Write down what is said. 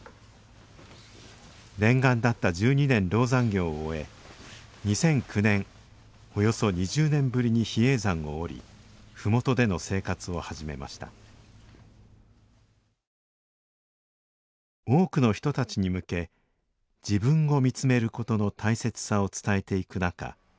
念願だった十二年籠山行を終え２００９年およそ２０年ぶりに比叡山を下り麓での生活を始めました多くの人たちに向け自分を見つめることの大切さを伝えていく中